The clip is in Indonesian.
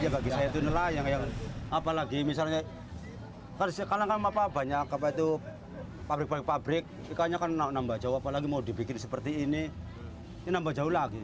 ya nggak bisa itu nelayan yang apalagi misalnya kan sekarang kan banyak apa itu pabrik pabrik ikannya kan nambah jauh apalagi mau dibikin seperti ini ini nambah jauh lagi